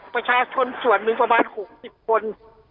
ประชาชนส่วน๑ประมาท๖๐คน